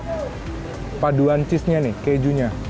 keju an cheese nya nih kejunya